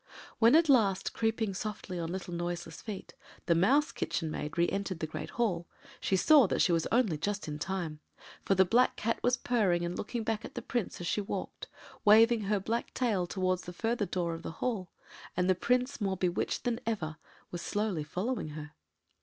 When at last, creeping softly on little noiseless feet, the Mouse Kitchen Maid re entered the great hall, she saw that she was only just in time, for the black Cat was purring and looking back at the Prince as she walked, waving her black tail towards the further door of the hall, and the Prince, more bewitched than ever, was slowly following her.